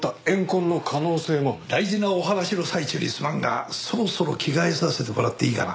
大事なお話の最中にすまんがそろそろ着替えさせてもらっていいかな？